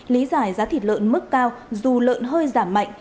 lý giải giá thịt lợn mức cao dù lợn hơi giảm mạnh